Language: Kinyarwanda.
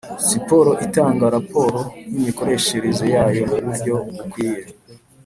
siporo itanga raporo y imikoreshereze yayo muburyo bukwiye